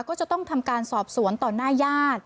ก็จะต้องทำการสอบสวนต่อหน้าญาติ